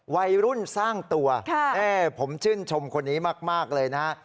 วัยรุ่นสร้างตัวผมชื่นชมคนนี้มากเลยนะฮะ